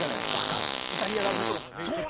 イタリア代表とかもね結構。